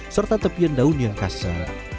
serta tepian daunnya kaya